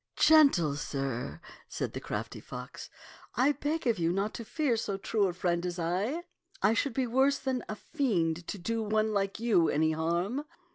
" Gentle sir," said the crafty fox, " I beg of you not to fear so true a friend as I. I should be worse than a fiend to do one like you any harm.